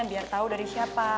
biar tau dari siapa